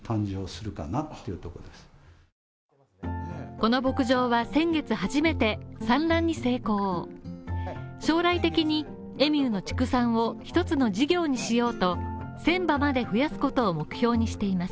この牧場は先月初めて産卵に成功、将来的にエミューの畜産を一つの事業にしようと１０００羽まで増やすことを目標にしています。